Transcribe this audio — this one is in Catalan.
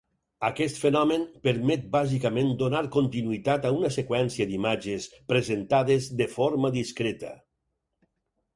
Aquest fenomen permet bàsicament donar continuïtat a una seqüència d'imatges presentades de forma discreta.